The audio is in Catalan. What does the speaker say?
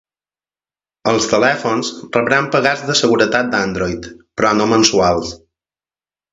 Els telèfons rebran pegats de seguretat d'Android, però no mensuals.